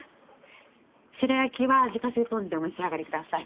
白焼きは自家製ポン酢でお召し上がりください。